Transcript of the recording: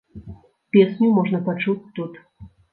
Песню можна пачуць тут.